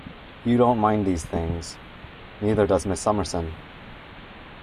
You don't mind these things; neither does Miss Summerson.